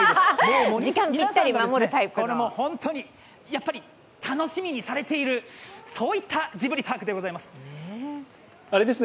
やっぱり楽しみにされているそういったジブリパークでございます。